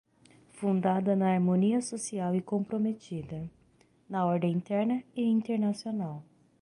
fundada na harmonia social e comprometida, na ordem interna e internacional